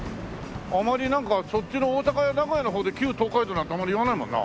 あまりなんかそっちの大阪や名古屋の方で旧東海道なんてあんまり言わないもんな。